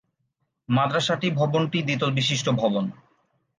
মাদ্রাসাটি ভবনটি দ্বিতল বিশিষ্ট ভবন।